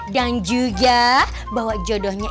dan juga bawa jodohnya